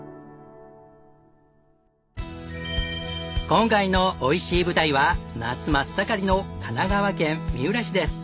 今回のおいしい舞台は夏真っ盛りの神奈川県三浦市です。